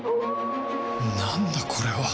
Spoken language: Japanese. なんだこれは